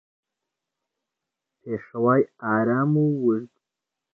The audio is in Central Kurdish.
پێشەوای ئارام و ورد